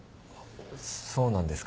そうなんですか？